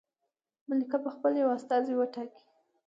ملکه به خپل یو استازی وټاکي.